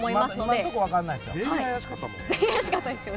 今のとこ、分かんないですよ。